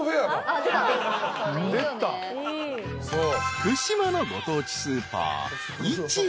［福島のご当地スーパー］